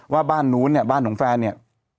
ว่าบ้านนู้นเนี่ยบ้านของแฟนเนี่ย